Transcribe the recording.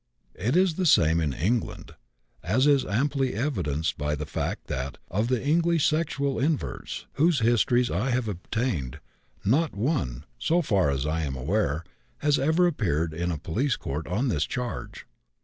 It is the same in England, as is amply evidenced by the fact that, of the English sexual inverts, whose histories I have obtained, not one, so far as I am aware, has ever appeared in a police court on this charge.